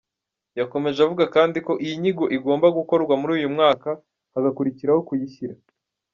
Yakomeje avuga kandi ko iyi nyigo igomba gukorwa muri uyu mwaka hagakurikiraho kuyishyira.